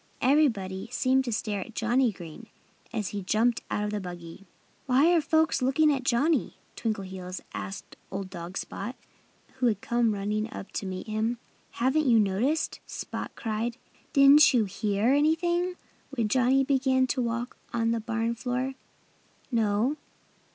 Everybody seemed to stare at Johnnie Green as soon as he jumped out of the buggy. "Why are folks looking at Johnnie?" Twinkleheels asked old dog Spot, who had come running up to meet him. "Haven't you noticed?" Spot cried. "Didn't you hear anything when Johnnie began to walk on the barn floor?" "No!"